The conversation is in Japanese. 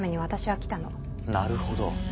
なるほど。